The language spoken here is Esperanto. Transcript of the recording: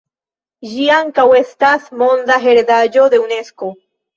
Ĝi ankaŭ estas Monda heredaĵo de Unesko.